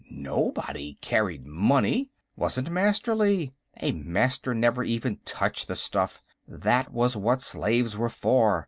Nobody carried money; wasn't Masterly. A Master never even touched the stuff; that was what slaves were for.